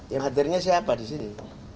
yang hadirnya siapa di sini